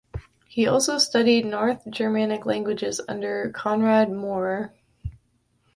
He also studied North Germanic languages under Konrad Maurer.